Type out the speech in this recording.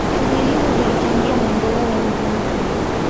shughuli hizo zilichangia maendeleo ya mji mpya